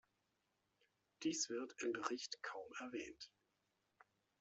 Dies wird im Bericht kaum erwähnt.